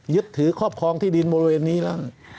ยึดถือครอบครองที่ดินบริเวณนี้แล้ว